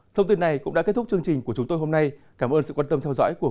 thông tin này cũng đã kết thúc chương trình của chúng tôi hôm nay cảm ơn sự quan tâm theo dõi của